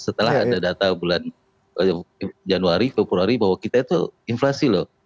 setelah ada data bulan januari februari bahwa kita itu inflasi loh